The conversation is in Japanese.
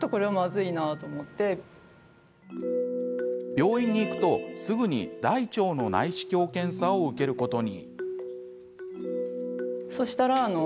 病院に行くと、すぐに大腸の内視鏡検査を受けることに。